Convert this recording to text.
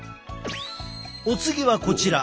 お次はこちら。